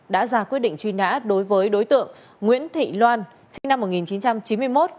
đã ra quyết định truy nã đối với đối tượng nguyễn thị loan sinh năm một nghìn chín trăm chín mươi một